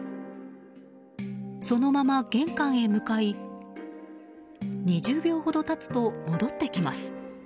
そのまま玄関へ向かい２０秒ほど経つと戻ってきます。